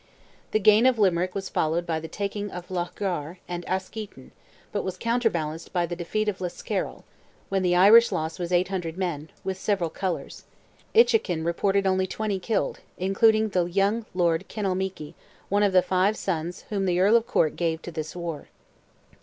The gain of Limerick was followed by the taking of Loughgar and Askeaton, but was counterbalanced by the defeat of Liscarroll, when the Irish loss was 800 men, with several colours; Inchiquin reported only 20 killed, including the young lord Kinalmeaky, one of the five sons whom the Earl of Cork gave to this war.